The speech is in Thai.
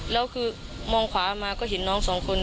แล้วคือมองขวามาก็เห็นน้องสองคน